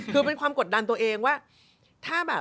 คือเป็นความกดดันตัวเองว่าถ้าแบบ